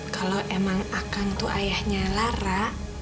kalau emang akan tuh ayahnya lara